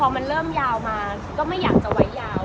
พอมันเริ่มยาวมาก็ไม่อยากจะไว้ยาว